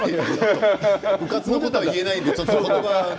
うかつなことは言えないのでね。